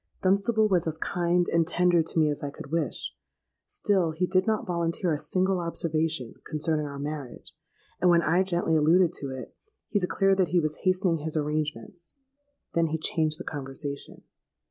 Dunstable was as kind and tender to me as I could wish: still he did not volunteer a single observation concerning our marriage; and, when I gently alluded to it, he declared that he was hastening his arrangements. Then he changed the conversation.